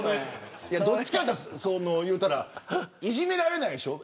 どちらかといったらいじめられないでしょ。